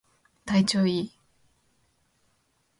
体調いい